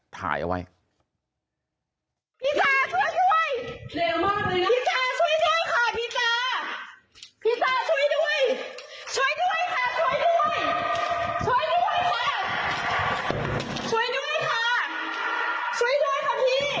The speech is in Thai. ช่วยด้วยค่ะ